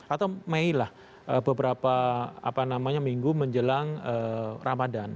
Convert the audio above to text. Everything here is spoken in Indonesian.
atau mei lah beberapa minggu menjelang ramadan